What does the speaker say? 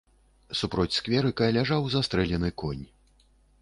Супроць скверыка ляжаў застрэлены конь.